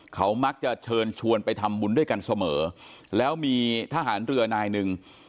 เขามักจะเชิญชวนไปทำบุญด้วยกันเสมอแล้วมีทหารเรือนายหนึ่ง